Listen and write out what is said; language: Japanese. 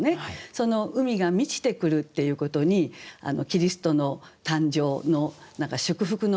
その海が満ちてくるっていうことにキリストの誕生の祝福の思い